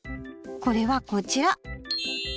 これはこちら。